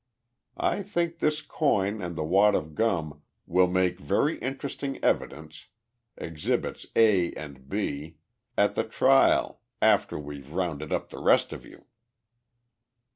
I think this coin and the wad of gum will make very interesting evidence Exhibits A and B at the trial, after we've rounded up the rest of you."